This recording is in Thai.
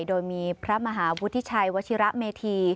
โดยมีพระมหาวุฒิชัยวชิระเมธี